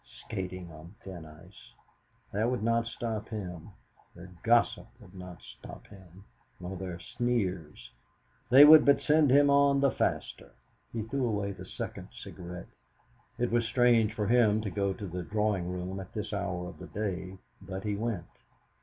Skating on thin ice! That would not stop him! Their gossip would not stop him, nor their sneers; they would but send him on the faster! He threw away the second cigarette. It was strange for him to go to the drawing room at this hour of the day, but he went.